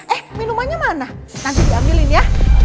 eh ini rumahnya mana nanti diambilin ya